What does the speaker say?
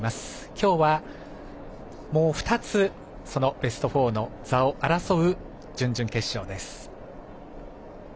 今日はもう２つ、ベスト４の座を争う準々決勝です。